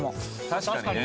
確かに！